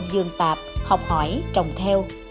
dường tạp học hỏi trồng theo